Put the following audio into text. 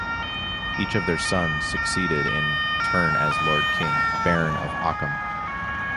Each of their sons succeeded in turn as Lord King, Baron of Ockham.